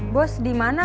bos di mana